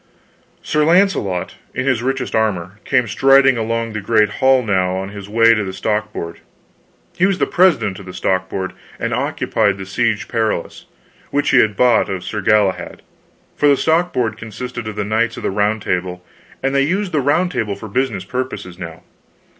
Sir Launcelot, in his richest armor, came striding along the great hall now on his way to the stock board; he was president of the stock board, and occupied the Siege Perilous, which he had bought of Sir Galahad; for the stock board consisted of the Knights of the Round Table, and they used the Round Table for business purposes now.